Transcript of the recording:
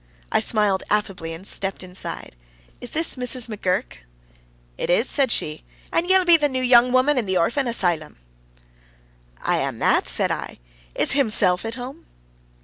I smiled affably, and stepped inside. "Is this Mrs. McGurk?" "It is," said she. "An' ye'll be the new young woman in the orphan asylum?" "I am that," said I. "Is himself at home?"